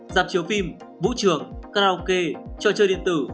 dạp chiếu phim vũ trường karaoke trò chơi điện tử